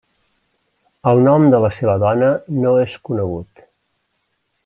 El nom de la seva dona no és conegut.